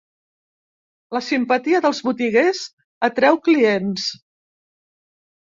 La simpatia dels botiguers atreu clients.